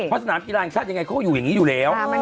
พัฒนามอิราณชาติยังไงเขาอยู่อย่างนี้อยู่แล้ว